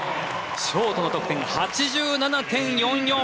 ショートの得点８７．４４。